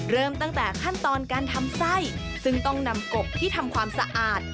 เริ่มตั้งแต่ขั้นตอนการทำไส้ซึ่งต้องนำกบที่ทำความสะอาด